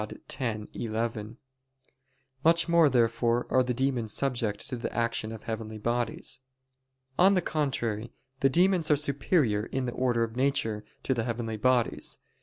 Dei x, 11). Much more therefore are the demons subject to the action of heavenly bodies. On the contrary, The demons are superior in the order of nature, to the heavenly bodies.